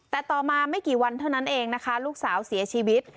แต่ต่อมาไม่กี่วันเท่านั้นเองนะคะลูกสาวเสียชีวิต